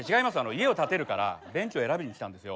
家を建てるから便器を選びに来たんですよ。